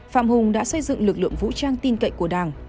phạm hùng đã xây dựng lực lượng vũ trang tin cậy của đảng